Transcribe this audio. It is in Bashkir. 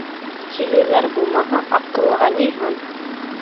Тилеләр булмаһа, аҡыллыға ни һан?